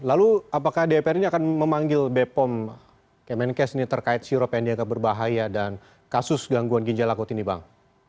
lalu apakah dpr ini akan memanggil bepom kemenkes ini terkait sirop yang dianggap berbahaya dan kasus gangguan ginjal akut ini bang